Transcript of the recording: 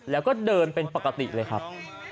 แล้วก็เดินเป็นปกติเลยครับ